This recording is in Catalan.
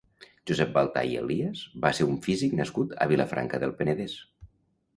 Josep Baltà i Elias va ser un físic nascut a Vilafranca del Penedès.